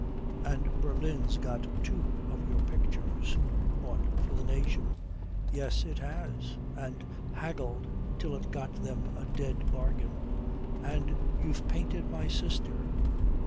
"And Berlin's got two of your pictures. Bought for the nation." "Yes, it has. And haggled till it got them a dead bargain." "And you've painted my sister."